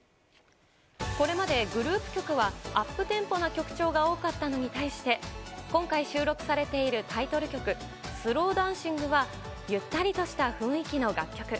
これまでグループ曲はアップテンポな曲調が多かったのに対して、今回収録されているタイトル曲、『ＳｌｏｗＤａｎｃｉｎｇ』はゆったりとした雰囲気の楽曲。